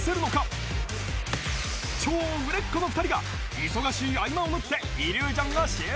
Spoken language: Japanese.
［超売れっ子の２人が忙しい合間を縫ってイリュージョンを習得］